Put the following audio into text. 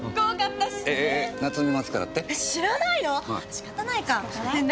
仕方ないよ。